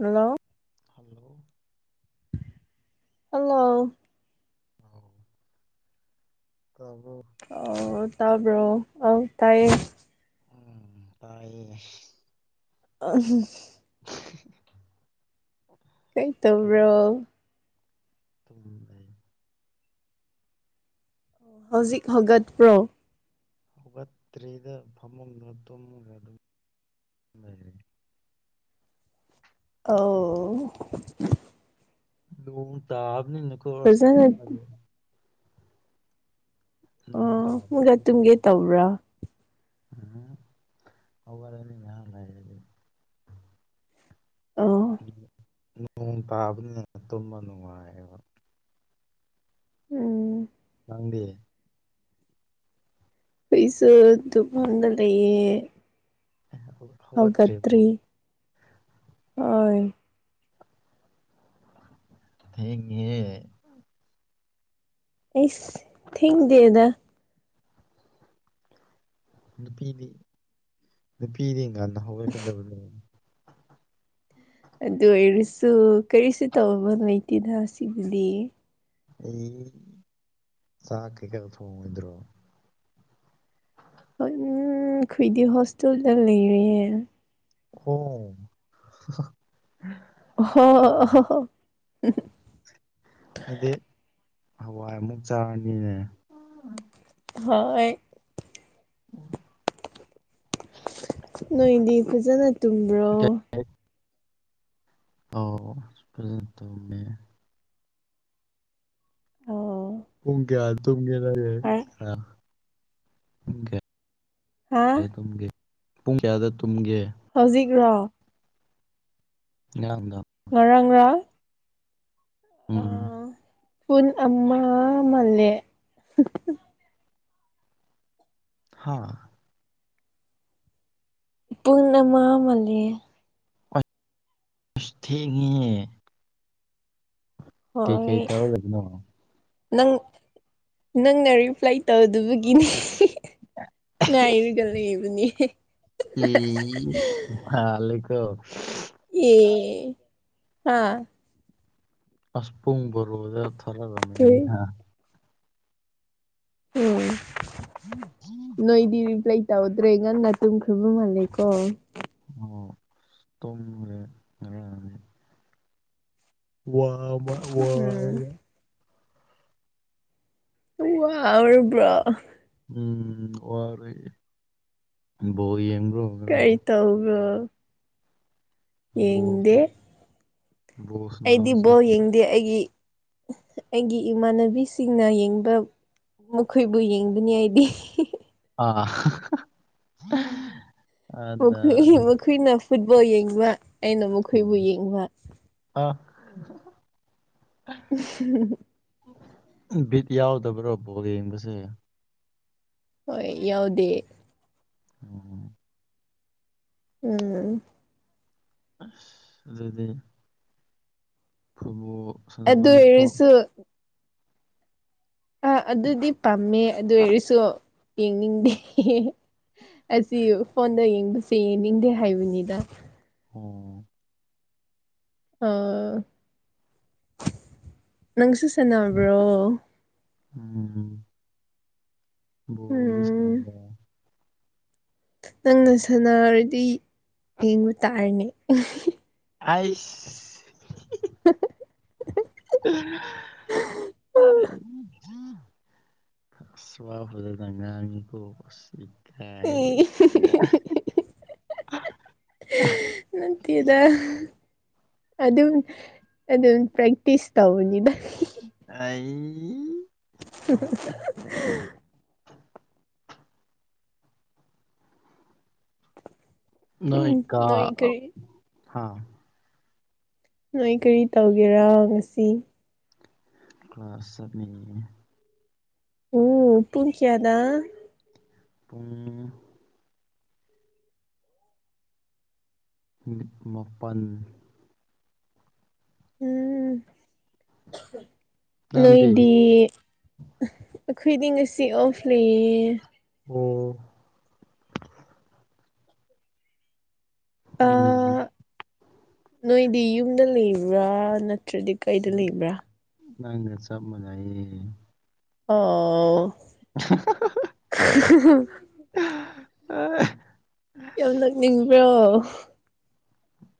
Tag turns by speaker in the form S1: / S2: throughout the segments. S1: Hello.
S2: Hello.
S1: Hello
S2: ꯑꯣ ꯇꯕ꯭ꯔꯣ꯫
S1: ꯑꯣ ꯇꯥꯕ꯭ꯔꯣ ꯑꯧ ꯇꯥꯏꯌꯦ꯫
S2: ꯎꯝ ꯇꯥꯏꯌꯦ ꯍꯦ
S1: ꯑ ꯍꯤ [inaudible] ꯀꯩ ꯇꯧꯕ꯭ꯔꯣ꯫
S2: ꯇꯨꯡ ꯂꯩ꯫
S1: ꯍꯧꯖꯤꯛ ꯍꯧꯒꯠꯄ꯭ꯔꯣ
S2: ꯍꯧꯒꯠꯇ꯭ꯔꯤꯗ ꯐꯃꯨꯡꯗ ꯇꯨꯝꯃꯒ ꯑꯗꯨꯝ ꯂꯩꯔꯤ
S1: ꯑꯧ
S2: ꯅꯣꯡ ꯇꯥꯕꯅꯤꯅꯀꯣ ꯑꯁ
S1: ꯐꯖꯅ
S2: ꯇꯨꯝꯃꯗꯤ ꯅꯣꯡ
S1: ꯑꯣ ꯀꯌꯥ ꯇꯨꯝꯒꯦ ꯇꯧꯕ꯭ꯔꯥ
S2: ꯍ ꯍꯧꯒꯠꯂꯅꯤ ꯉꯩꯍꯥꯛ ꯂꯩꯔꯗꯨ
S1: ꯑꯥ
S2: ꯅꯣꯡ ꯇꯥꯕꯅꯤꯅ ꯇꯨꯝꯕ ꯅꯨꯡꯉꯥꯏꯌꯦꯕ
S1: ꯎꯝ
S2: ꯅꯪꯗꯤ
S1: ꯄꯩꯁ ꯑꯗꯨ ꯐꯟꯗ ꯂꯩꯌꯦ
S2: ꯑ ꯍ
S1: ꯍꯧꯒꯇ꯭ꯔꯤ ꯍꯣꯏ
S2: ꯊꯦꯡꯉꯤꯍꯦ
S1: ꯑꯩꯁ ꯊꯦꯡ ꯗꯦꯗ
S2: ꯅꯨꯄꯤꯗꯤ ꯅꯨꯄꯤꯗꯤ ꯉꯥꯟꯅ ꯍꯧꯒꯠꯀꯗꯕꯅꯦ
S1: ꯑꯗꯨ ꯑꯣꯏꯔꯁꯨ ꯀꯔꯤꯁꯨ ꯇꯧꯕ ꯂꯩꯇꯦꯗ ꯁꯤꯒꯤꯗꯤ
S2: ꯑꯩ ꯆꯥꯛ ꯀꯩ ꯀꯥ ꯊꯣꯡꯉꯣꯏꯗ꯭ꯔꯣ
S1: ꯍꯣꯏꯝ ꯈꯣꯏꯗꯤ ꯍꯣꯁꯇꯦꯜꯗ ꯂꯩꯔꯦ
S2: ꯍꯣ
S1: ꯍ ꯍꯣ ꯑꯣ ꯍꯣ
S2: ꯑꯗꯨꯗꯤ
S1: ꯍꯣ
S2: ꯍꯗꯤ ꯍꯋꯥꯏꯃꯨꯛ ꯆꯥꯔꯅꯤ
S1: ꯍꯣꯏ
S2: ꯎꯝ
S1: ꯅꯣꯏꯗꯤ ꯐꯖꯅ ꯇꯨꯝꯕ꯭ꯔꯣ
S2: ꯑꯧ ꯐꯖꯅ ꯇꯨꯝꯃꯦ
S1: ꯑꯣ
S2: ꯄꯨꯡ ꯀꯌꯥ ꯇꯨꯝꯒꯦ ꯅꯪ ꯒ ꯍꯥ ꯄꯨꯡ
S1: ꯍꯥ
S2: ꯀꯌ꯭ꯥ ꯇꯨꯝꯒꯦ ꯄꯨꯡ ꯀꯌꯥꯗ ꯇꯨꯝꯒꯦ
S1: ꯍꯧꯖꯤꯛ꯭ꯔꯣ
S2: ꯉꯔꯥꯡꯗꯪ
S1: ꯉꯔꯥꯡ ꯉꯔꯥꯡ
S2: ꯎꯝ
S1: ꯄꯨꯟ ꯑꯃ ꯃꯜꯂꯦ
S2: ꯍꯥꯥ
S1: ꯄꯨꯟ ꯑꯃ ꯃꯜꯂꯤꯌꯦ
S2: ꯍꯁ ꯊꯦꯡꯉꯤꯍꯦ ꯀꯩꯀꯩ
S1: ꯍꯣꯏ
S2: ꯇꯧꯔ ꯂꯩꯕꯅꯣ
S1: ꯅꯪ ꯅꯪꯅ ꯔꯤꯄ꯭ꯂꯥꯏ ꯇꯧꯗꯕꯒꯤꯅꯦ ꯉꯥꯏꯔꯤꯒ ꯂꯩꯕꯅꯤ
S2: ꯑꯦ ꯃꯥꯜ ꯂꯩꯀꯣ
S1: ꯑꯦ ꯍꯥ
S2: ꯑꯁ ꯄꯨꯡ ꯕꯔꯣꯗ ꯊꯔꯛꯑꯝꯃꯅꯤ
S1: ꯀꯔꯤ
S2: ꯍꯥ
S1: ꯎꯝ
S2: [unintelligible]
S1: ꯅꯣꯏꯗꯤ ꯔꯤꯄ꯭ꯂꯥꯏ ꯇꯧꯗ꯭ꯔꯦ ꯉꯟꯅ ꯇꯨꯝꯈ꯭ꯔꯕ ꯃꯥꯜꯂꯦꯀꯣ
S2: ꯑꯣ ꯇꯣꯝꯔꯦ ꯉꫪꯥꯡꯗꯤ ꯋꯥ ꯑꯃ ꯋꯥ
S1: ꯎꯝ
S2: ꯔ
S1: ꯋꯥꯔꯕ꯭ꯔꯣ
S2: ꯎꯝ ꯑꯣꯔ ꯕꯣꯜ ꯌꯦꯡꯕ꯭ꯔꯣ
S1: ꯀꯩ
S2: ꯉꯔꯥꯡ
S1: ꯇꯧꯕ꯭ꯔꯣ
S2: ꯕꯣꯜ
S1: ꯌꯦꯡꯗꯦ
S2: ꯕꯣꯜ ꯁꯥꯅꯕ
S1: ꯑꯩꯗꯤ ꯕꯣꯜ
S2: ꯆꯠꯄ꯭ꯔꯣ
S1: ꯌꯦꯡꯗꯦ ꯑꯩꯒꯤ ꯑꯩꯒꯤ ꯏꯃꯥꯟꯅꯕꯤꯁꯤꯡꯅ ꯌꯦꯡꯕ ꯃꯈꯣꯏꯕꯨ ꯌꯦꯡꯕꯅꯤ ꯑꯩꯗꯤ
S2: ꯑꯥ ꯍ [inaudible]
S1: ꯃꯈꯣꯏ ꯃꯈꯣꯏꯅ ꯐꯨꯠꯕꯣꯜ ꯌꯦꯡꯕ ꯑꯩꯅ ꯃꯈꯣꯏꯕꯨ ꯌꯦꯡꯕ
S2: ꯑꯥ
S1: [inaudible]
S2: ꯕꯤꯠ ꯌꯥꯎꯗꯕ꯭ꯔꯣ ꯕꫭꯜ ꯌꯦꯡꯕꯁꯦ
S1: ꯍꯣꯏ ꯌꯥꯎꯗꯦ
S2: ꯑꯣ
S1: ꯎꯝ
S2: ꯑꯁ ꯑꯗꯨꯗꯤ ꯐꯨꯠꯕꯣꯜ ꯁꯥꯟꯅꯕ
S1: ꯑꯗꯨ
S2: ꯅꯨꯄꯥ
S1: ꯑꯣꯏꯔꯁꯨ ꯑꯥ ꯑꯗꯨꯗꯤ ꯄꯥꯝꯃꯦ ꯑꯗꯨ ꯑꯣꯏꯔꯁꯨ ꯌꯦꯡꯅꯤꯡꯗꯦ ꯑꯁꯤ ꯐꯣꯟꯗ ꯌꯦꯡꯕꯁꯦ ꯌꯦꯡꯅꯤꯡꯗꯦ ꯍꯥꯏꯕꯅꯤꯗ
S2: ꯑꯣ
S1: ꯑ ꯅꯪꯁꯨ ꯁꯟꯅꯕ꯭ꯔꯣ
S2: ꯎꯝ
S1: ꯎꯝ
S2: ꯀꯩ ꯁꯥꯅꯩꯕ
S1: ꯅꯪꯅ ꯁꯥꯟꯅꯔꯗꯤ ꯌꯦꯡꯕ ꯇꯥꯔꯦꯅꯦ
S2: ꯑꯥꯏꯁ
S1: [inaudible]
S2: [inaudible] ꯑꯁ ꯋꯥ ꯐꯖꯅ ꯉꯥꯡꯏ ꯀꯣ ꯑꯁ ꯈꯥꯏꯔꯦ ꯏꯌꯥ ꯍꯥ
S1: ꯅꯠꯇꯦꯗ ꯑꯗꯨꯝ ꯑꯗꯨꯝ ꯄ꯭ꯔꯦꯛꯇꯤꯁ ꯇꯧꯕꯅꯤꯗ
S2: ꯑꯩ [inaudible]
S1: [inaudible]
S2: ꯅꯣꯏ ꯀꯣ
S1: ꯅꯣꯏ ꯀꯔꯤ
S2: ꯍꯥ
S1: ꯅꯣꯏ ꯀꯔꯤ ꯇꯧꯒꯦꯔꯥ ꯉꯁꯤ
S2: ꯀ꯭ꯂꯥꯁ ꯆꯠꯂꯤꯅꯤ
S1: ꯎ ꯄꯨꯡ ꯀ꯭ꯌꯥꯗ
S2: ꯄꯨꯡ ꯃꯥꯄꯟ
S1: ꯎꯝ
S2: ꯅꯪꯗꯤ
S1: ꯅꯣꯏꯗꯤ ꯑꯩꯈꯣꯏꯗꯤ ꯉꯁꯤ ꯑꯣꯐ ꯂꯩꯌꯦ
S2: ꯑꯣ ꯎꯝ
S1: ꯑꯥ ꯅꯣꯏꯗꯤ ꯌꯨꯝꯗ ꯂꯩꯕ꯭ꯔꯥ ꯅꯠꯇ꯭ꯔꯗꯤ ꯀꯩꯗ ꯂꯩꯕ꯭ꯔꯥ
S2: ꯅꯪꯒ ꯆꯥꯞ ꯃꯅꯥꯏꯌꯦ
S1: ꯑꯣ
S2: ꯎ [inaudible]
S1: [inaudible]
S2: ꯑ [inaudible]
S1: ꯌꯥꯝ ꯅꫭꯛ ꯅꯤꯡꯕ꯭ꯔꯣ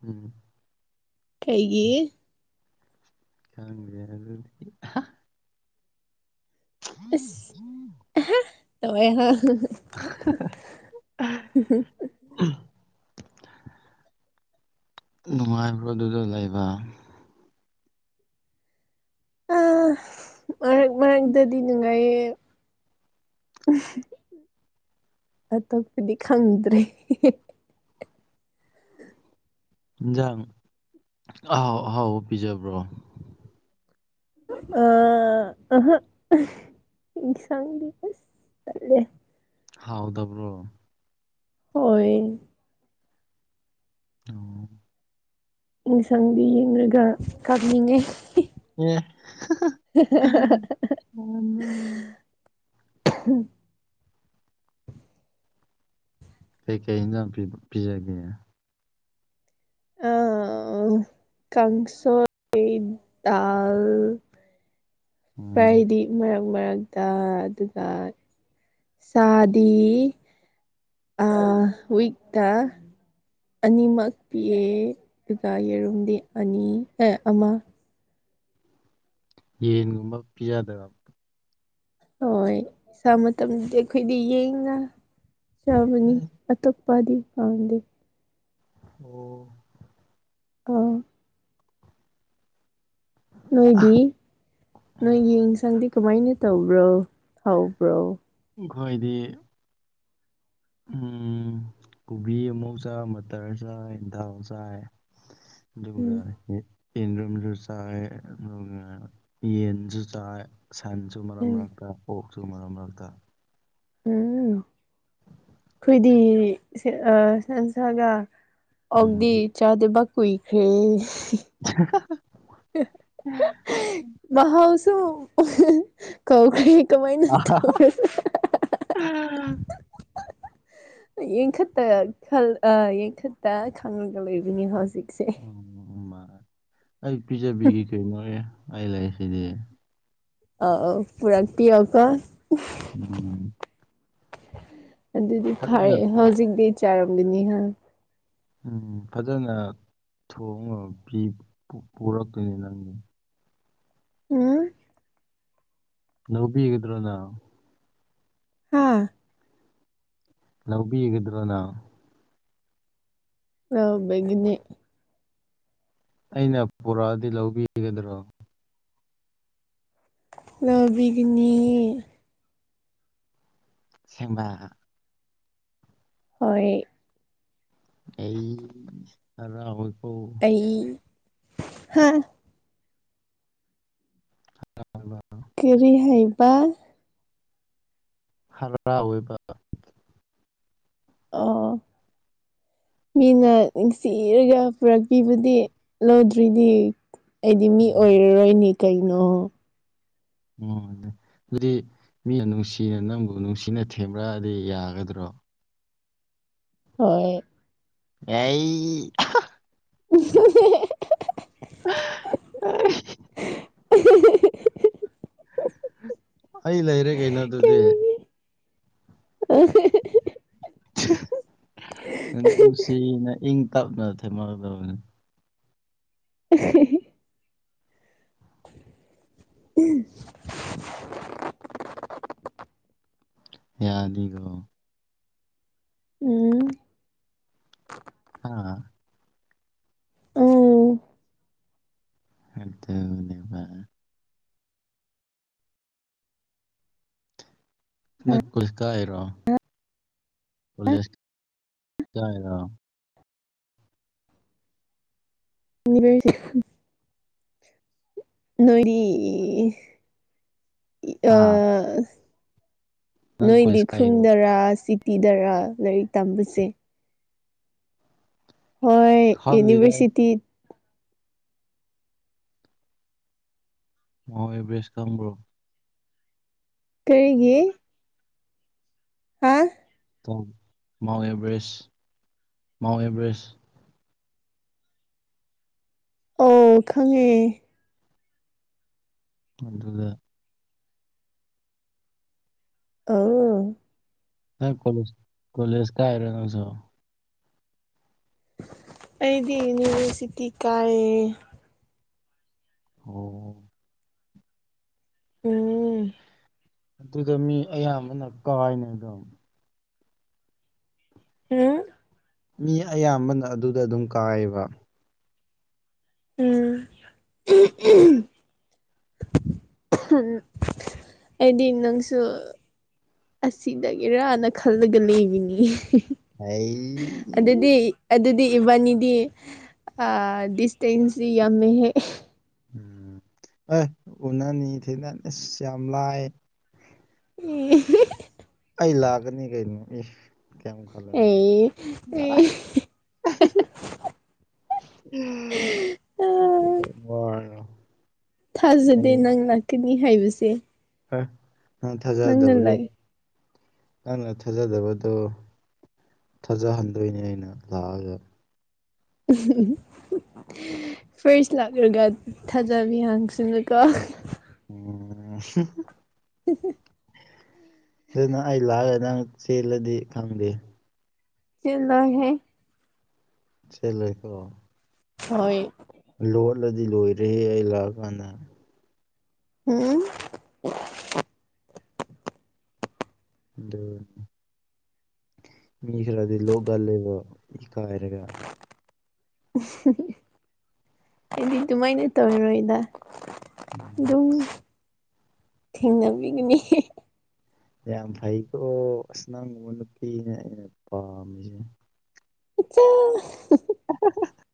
S2: ꯎꯝ
S1: ꯀꯩꯒꯤ
S2: ꯈꯪꯗꯦ ꯑꯗꯨꯗꯤ
S1: ꯑꯁ ꯇꯋꯋꯤꯍ
S2: ꯅꯨꯡꯉꯥꯏꯕ꯭ꯔꯣ ꯗꯨꯗ ꯂꯩꯕ
S1: ꯑ ꯃꯔꯛ ꯃꯔꯠꯗꯗꯤ ꯅꯨꯡꯉꯥꯏꯌꯦ ꯑꯇꯣꯞꯄꯗꯤ ꯈꯪꯗ꯭ꯔꯦ
S2: ꯏꯟꯖꯥꯡ ꯑꯍꯥꯎ ꯑꯍꯥꯎ ꯄꯤꯖꯕ꯭ꯔꯣ
S1: ꯑ ꯑꯍ
S2: ꯍꯥꯎꯗꯕ꯭ꯔꯣ
S1: ꯍꯣꯏ
S2: ꯑꯣ
S1: ꯏꯟꯁꯥꯡꯗꯨ ꯌꯦꯡꯂꯒ ꯀꯞꯅꯤꯡꯉꯦ
S2: ꯑ‌ꯦ ꯀꯩꯀꯩ ꯏꯟꯖꯥꯡ ꯄꯤ ꯄꯤꯖꯒꯦ
S1: ꯑ ꯀꯪꯁꯣꯏ ꯗꯥꯜ
S2: ꯎꯝ
S1: ꯐ꯭ꯔꯥꯏꯗꯤ ꯃꯔꯛ ꯃꯔꯛꯇ ꯑꯗꯨꯒ ꯆꯥꯗꯤ ꯑ ꯋꯤꯠꯇ ꯑꯅꯤꯃꯛ ꯄꯤꯑꯦ ꯑꯗꯨꯒ ꯌꯦꯔꯨꯝꯗꯤ ꯑꯅꯤ ꯑꯦ ꯑꯃ
S2: ꯌꯦꯟꯒꯨꯝꯕ ꯄꯤꯖꯗꯕ
S1: ꯍꯣꯏ ꯏꯁꯥ ꯃꯇꯝꯗꯤ ꯑꯩꯈꯣꯏꯗꯤ ꯌꯦꯡꯉ ꯆꯥꯕꯅꯤ ꯑꯇꯣꯞ ꯄꯗꯤ ꯄꯗ
S2: ꯑꯣ
S1: ꯑ ꯅꯣꯏꯗꯤ ꯅꯣꯏꯒꯤ ꯏꯟꯁꯥꯡꯗꯤ ꯀꯃꯥꯏꯅ ꯇꯧꯕ꯭ꯔꯣ ꯍꯥꯎꯕ꯭ꯔꯣ
S2: ꯑꯩꯈꯣꯏꯗꯤ ꯎꯝ ꯀꯣꯕꯤ ꯑꯃꯨꯛ ꯆꯥꯏ ꯃꯇꯔ ꯆꯥꯏ ꯗꯥꯜ ꯆꯥꯏ ꯑꯗꯨꯒ
S1: ꯎꯝ
S2: ꯌꯦꯟꯗꯨꯝꯁꯨ ꯆꯥꯏ ꯑꯗꯨꯒ ꯌꯦꯟꯁꯨ ꯆꯥꯏ ꯁꯟꯁꯨ ꯃꯔꯛ
S1: ꯎꯝ
S2: ꯃꯔꯛꯇ ꯑꯣꯛꯁꯨ ꯃꯔꯛ ꯃꯥꯔꯛꯇꯥ
S1: ꯎꯝ ꯑꯩꯈꯣꯏꯗꯤ ꯑ ꯁꯟꯁꯒ ꯑꯣꯛꯗꯤ
S2: ꯎꯝ
S1: ꯆꯥꯗꯕ ꯀꯨꯏꯈ꯭ꯔꯦ ꯃꯍꯥꯎꯁꯨꯨ ꯀꯧꯈ꯭ꯔꯦ ꯀꯃꯥꯏꯅ ꯌꯦꯡꯈꯠꯇ ꯑ ꯌꯦꯡꯈꯠꯇ ꯈꯪꯂꯉꯒ ꯂꯩꯕꯅꯦ ꯍꯧꯖꯤꯛꯁꯦ
S2: ꯎꯝ ꯎ ꯃꯥ ꯑꯩ ꯄꯤꯖꯕꯤꯒꯤ ꯀꯩꯅꯣꯍꯦ ꯑꯩ ꯂꯩꯁꯤꯗꯤ
S1: ꯑ ꯄꯨꯔꯥꯛꯄꯤꯑꯣ ꯀꯣ
S2: ꯎꯝ
S1: ꯑꯗꯨꯗꯤ
S2: ꯐꯖꯅ
S1: ꯐꯔꯦ ꯍꯧꯖꯤꯛꯇꯤ ꯆꯥꯔꯝꯒꯅꯤꯍ
S2: ꯎꯝ ꯐꯖꯅ ꯊꯣꯡ ꯄꯨꯔꯛꯇꯣꯏꯅꯦ ꯅꯪꯗꯤ
S1: ꯎꯝ
S2: ꯂꯧꯕꯤꯒꯗ꯭ꯔ ꯅꯪ
S1: ꯍꯥꯥ
S2: ꯂꯧꯕꯤꯒꯗ꯭ꯔꯣꯅꯪ
S1: ꯂꯧꯕꯤꯒꯅꯤ
S2: ꯑꯩꯅ ꯄꯨꯔꯛꯗꯤ ꯂꯧꯕꯤꯒꯗ꯭ꯔꯣ
S1: ꯂꯧꯕꯤꯒꯅꯤ
S2: ꯁ‌ꯦꯡꯕ
S1: ꯍꯣꯏ
S2: ꯑꯩ ꯍꯔꯥꯎ ꯏ ꯀꯣ
S1: ꯑꯩꯩ ꯍꯥ
S2: [unintelligible]
S1: ꯀꯔꯤ ꯍꯥꯏꯕ
S2: [unintelligible] ꯑꯣꯏꯕ
S1: ꯑ ꯃꯤꯅ ꯅꯨꯡꯁꯤꯔꯒ ꯄꯨꯔꯛꯄꯤꯕꯨꯗꯤ ꯂꯣꯏꯗ꯭ꯔꯤꯗꯤ ꯑꯩꯗꯤ ꯃꯤ
S2: ꯎꯝ
S1: ꯑꯣꯏꯔꯔꯣꯏꯅꯤ ꯀꯩꯅꯣ
S2: ꯎꯝ ꯑꯗꯨꯗꯤ ꯃꯤꯅ ꯅꯨꯡꯁꯤꯅ ꯅꯪꯕꯨ ꯅꯨꯡꯁꯤꯅ ꯊꯦꯝꯔꯛꯑꯗꯤ ꯌꯥꯒꯗ꯭ꯔꯣ
S1: ꯍꯣꯏ
S2: ꯌꯥꯏꯌꯦ
S1: ꯎꯝ
S2: [unintelligible] ꯑꯩ ꯂꯩꯔꯦ ꯀꯩꯅꯣ ꯑꯗꯨꯗꯤ
S1: ꯑ [unintelligible]
S2: ꯑ ꯅꯨꯡꯁꯤꯅ ꯏꯪ ꯇꯞꯅ ꯊꯦꯡꯅꯒꯗꯕꯅꯤ
S1: [unintelligible] [unintelligible]
S2: ꯌꯥꯅꯤꯒꯣ
S1: ꯎꯝ
S2: ꯍꯥ
S1: ꯎꯝ
S2: [unintelligible] [unintelligible]
S1: [unintelligible] ꯅꯣꯏꯔꯤ ꯑ
S2: ꯍꯥ ꯅꯪ
S1: ꯅꯣꯏꯒꯤ
S2: ꯀꯣꯂꯦꯖ ꯀꯥꯏꯔꯣ
S1: ꯈꯨꯟꯗꯔꯥ ꯆꯤꯛ ꯇꯤꯗꯔ ꯂꯥꯏꯔꯤꯛ ꯇꯝꯕꯁꯦ ꯍꯣꯏ
S2: ꯈꯪꯗꯦꯗ ꯑꯩ
S1: ꯌꯨꯅꯤꯚꯔꯁꯤꯇꯤ
S2: ꯃꯧꯟ ꯑꯦꯚꯔꯦꯁ ꯈꯥꯪꯕ꯭ꯔꯣ
S1: ꯀꯔꯤꯒꯤ ꯍꯥꯥ
S2: ꯃꯥꯎꯟ ꯑꯦꯕꯔꯦꯁ ꯃꯥꯎꯟ ꯑꯦꯕꯔꯦꯁ
S1: ꯑꯣ ꯈꯪꯉꯦ
S2: ꯑꯗꯨꯒ
S1: ꯑꯣ
S2: ꯍꯣꯏ ꯀꯣꯂꯦꯖ ꯀꯣꯂꯦꯖ ꯀꯥꯏꯔꯣ ꯅꯪꯁꯨ
S1: ꯑꯩꯗꯤ ꯌꯨꯅꯤꯚꯔꯁꯤꯇꯤ ꯀꯥꯏꯌꯦ
S2: ꯑꯣ
S1: ꯎꯝ
S2: ꯑꯗꯨꯗ ꯃꯤ ꯑꯌꯥꯝꯕꯅ ꯀꯋꯏꯅꯦ ꯑꯗꯣ
S1: ꯎꯝ
S2: ꯃꯤ ꯑꯌꯥꯝꯕꯅ ꯑꯗꯨꯗ ꯑꯗꯨꯝ ꯀꯥꯏꯌꯦꯕ
S1: ꯎꯝ ꯎꯝ ꯑꯩꯗꯤ ꯅꯪꯁꯨ ꯑꯁꯤꯗꯒꯤꯔꯥꯅ ꯈꯜꯂꯒ ꯂꯩꯕꯅꯤꯌꯦ
S2: ꯑꯩꯁ
S1: ꯑꯗꯨꯗꯤ ꯏꯕꯥꯅꯤꯗꯤ ꯗꯤꯁꯇꯦꯟꯁꯁꯤ ꯌꯥꯝꯃꯦ ꯍꯦ
S2: ꯎꯝ ꯑꯦ ꯎꯅꯤ ꯊꯦꯡꯅꯅꯤ ꯑꯁ ꯌꯥꯝ ꯂꯥꯏ
S1: ꯎꯝ [unintelligible]
S2: ꯑꯩ ꯂꯥꯛꯀꯅꯤ ꯀꯩꯅꯣ ꯑꯦ ꯀꯩꯝ ꯈꯜꯂꯨꯅꯨ
S1: ꯑꯦ ꯑꯦ
S2: ꯂꯥꯛꯑꯣ ꯎꯝꯅ
S1: ꯊꯥꯖꯗꯦ ꯅꯪ ꯂꯥꯛꯀꯅꯤ ꯍꯥꯏꯕꯁꯦ
S2: ꯑ ꯅꯪ
S1: ꯅꯪꯅ
S2: ꯊꯥꯖꯗꯕꯗꯣ
S1: ꯂꯥꯛ
S2: ꯅꯪꯅ ꯊꯥꯖꯗꯕꯗꯣ ꯊꯥꯖꯍꯟꯗꯣꯏꯅꯦ ꯑꯩꯅ ꯂꯥꯛꯑꯒ
S1: ꯎ [unintelligible] ꯐꯔꯤꯁ ꯂꯥꯛꯂꯒ ꯊꯥꯖꯕꯤ ꯍꯪꯁꯤꯅꯀꯣ
S2: ꯎꯝ
S1: ꯎ
S2: ꯑꯗꯨꯅ ꯑꯩ ꯂꯥꯛꯑꯒ ꯅꯪ ꯆꯦꯜꯂꯗꯤ ꯈꯪꯗꯦ
S1: ꯆꯂꯍꯦ
S2: ꯆꯂ ꯂꯩꯀ
S1: ꯍꯣꯏ
S2: ꯂꯣꯜꯂꯗꯤ ꯂꯣꯏꯔꯦ ꯂꯥꯛꯑ ꯀꯥꯟꯗ
S1: ꯎꯝ
S2: ꯑ ꯃꯤ ꯈꯔꯗꯤ ꯂꯣꯛꯒꯜꯂꯦꯕꯣ ꯏ ꯀꯥꯏꯔꯒ
S1: ꯑꯩꯗꯤ ꯑꯗꯨꯃꯥꯏꯅ ꯇꯧꯔꯔꯣꯏꯗ
S2: ꯎꯝ
S1: ꯑꯗꯨꯝ ꯊꯦꯡꯅꯕꯤꯒꯅꯤ
S2: ꯌꯥꯝ ꯐꯩꯀꯣ ꯑꯁ ꯅꯪꯒꯨꯝꯕ ꯅꯨꯄꯤꯅꯤ ꯑꯩꯅ ꯄꯥꯝꯃꯤꯁꯦ
S1: ꯆꯠ
S2: ꯑꯥ ꯍꯥ